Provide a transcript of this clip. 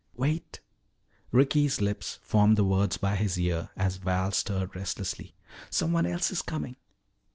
"Wait," Ricky's lips formed the words by his ear as Val stirred restlessly. "Someone else is coming."